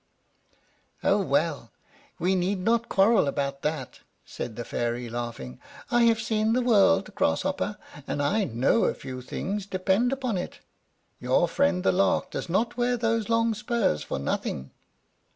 "Oh, well, we need not quarrel about that," said the Fairy, laughing; "I have seen the world, Grasshopper, and I know a few things, depend upon it. Your friend the Lark does not wear those long spurs for nothing."